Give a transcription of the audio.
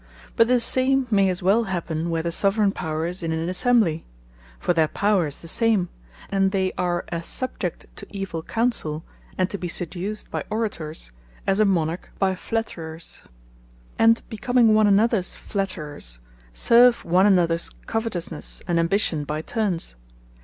But the same may as well happen, where the Soveraigne Power is in an Assembly: for their power is the same; and they are as subject to evill Counsell, and to be seduced by Orators, as a Monarch by Flatterers; and becoming one an others Flatterers, serve one anothers Covetousnesse and Ambition by turnes.